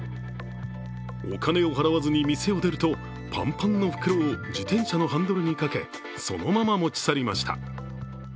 お金を払わずに店を出るとパンパンの袋を自転車のハンドルにかけ、そのまま持ち去りました。